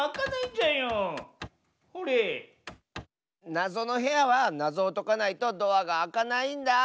なぞのへやはなぞをとかないとドアがあかないんだあ。